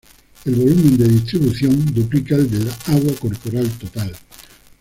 El volumen de distribución duplica el del agua corporal total.